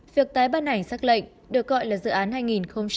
việc tái bàn hành xác lệnh được gọi là dự án hai nghìn hai mươi năm